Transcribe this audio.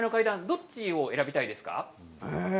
どちらを選びたいですか。